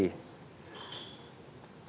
dan sebenarnya partai politik itu bisa bersikap